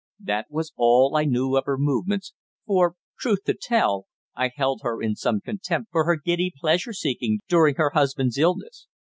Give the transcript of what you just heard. That was all I knew of her movements, for, truth to tell, I held her in some contempt for her giddy pleasure seeking during her husband's illness.